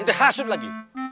itu hasut lagi